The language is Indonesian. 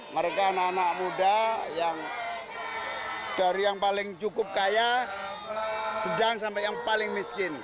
mereka anak anak muda yang dari yang paling cukup kaya sedang sampai yang paling miskin